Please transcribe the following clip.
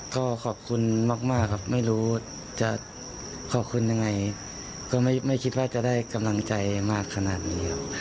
ก็ขอบคุณมากครับไม่รู้จะขอบคุณยังไงก็ไม่คิดว่าจะได้กำลังใจมากขนาดนี้ครับ